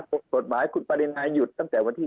เป็นทางบอกสอบบ้างคุณปริณาหยุดตั้งแต่วันที่๑๘๐๐